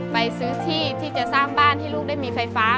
ไปซื้อที่ที่จะสร้างบ้านให้ลูกได้มีไฟฟ้า